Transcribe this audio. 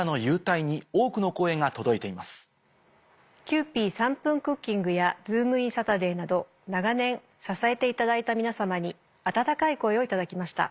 『キユーピー３分クッキング』や『ズームイン‼サタデー』など長年支えていただいた皆様に温かい声を頂きました。